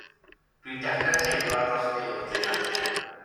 Dw i'n dechrau teimlo dros Dave druan.